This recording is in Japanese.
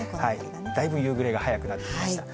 だいぶ夕暮れが早くなってきました。